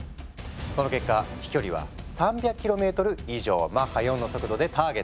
その結果飛距離は３００ｋｍ以上マッハ４の速度でターゲットへ。